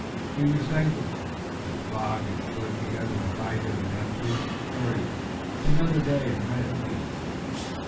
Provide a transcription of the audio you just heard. He was thankful. He knew that fog and flood together would hide them in absolute security for another day and night at least.